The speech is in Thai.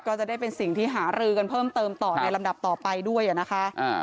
ก็จะได้เป็นสิ่งที่หารือกันเพิ่มเติมต่อในลำดับต่อไปด้วยนะคะ